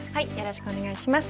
よろしくお願いします。